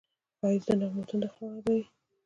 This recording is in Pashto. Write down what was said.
ښایست د نغمو تنده خړوبوي